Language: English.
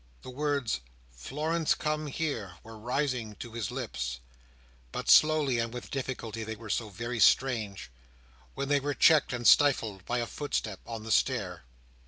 The words "Florence, come here!" were rising to his lips—but slowly and with difficulty, they were so very strange—when they were checked and stifled by a footstep on the stair.